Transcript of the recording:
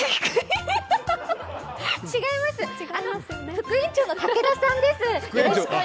違います、副園長の竹田さんです。